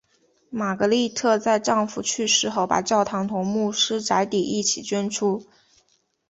玛格丽特在丈夫去世后把教堂同牧师宅邸一起捐出。